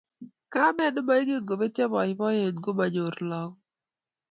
Kamet nemoingen kobetyo boiboiyet ngomanyor lagok